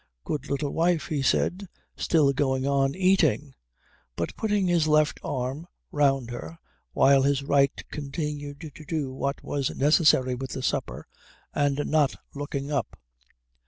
"Good little wife," he said, still going on eating, but putting his left arm round her while his right continued to do what was necessary with the supper, and not looking up.